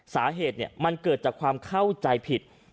สาเหตุมันเกิดจากความเข้าใจผิด